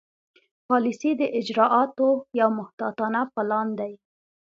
پالیسي د اجرااتو یو محتاطانه پلان دی.